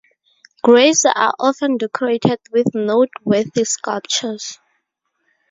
Graves are often decorated with noteworthy sculptures.